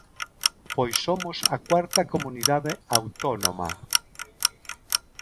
Pois somos a cuarta comunidade autónoma.